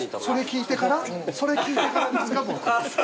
それ聞いてからですか僕。